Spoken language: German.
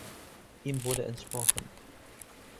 Ihm wurde entsprochen.